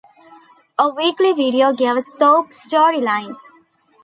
A weekly video gives soap storylines.